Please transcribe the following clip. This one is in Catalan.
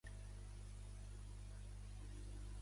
Tenien un fill, en Melvin Chernev.